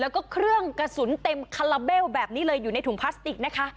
แล้วก็เครื่องกระสุนเต็มคาราเบลแบบนี้เลยอยู่ในถุงพลาสติกนะคะ